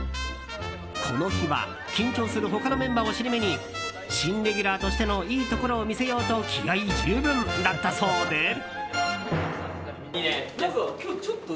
この日は、緊張する他のメンバーを尻目に新レギュラーとしてのいいところを見せようと気合十分だったそうで。